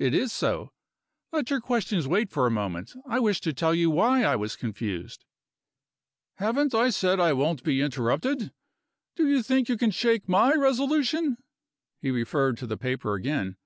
"It is so. Let your questions wait for a moment. I wish to tell you why I was confused." "Haven't I said I won't be interrupted? Do you think you can shake my resolution?" He referred to the paper again.